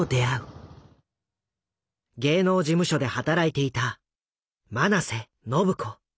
芸能事務所で働いていた曲直瀬信子。